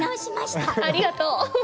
ありがと。